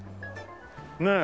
ねえ。